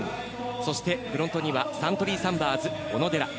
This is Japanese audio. そしてフロントにはサントリーサンバーズ小野寺。